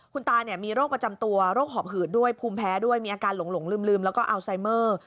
คุณตามีโรคประจำตัวโรคหอบหืดด้วยภูมิแพ้ด้วยมีอาการหลงลืมแล้วก็อัลไซเมอร์